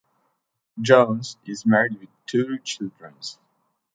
Jones is married with two children.